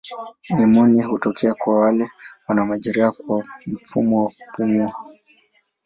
Nimonia hutokea kwa wale wana majeraha kwa mfumo wa kupumua.